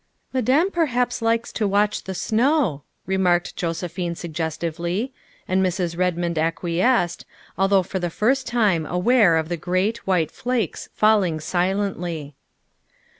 " Madame perhaps likes to watch the snow," re marked Josephine suggestively, and Mrs. Redmond ac quiesced, although for the first time aware of the great, white flakes falling silently.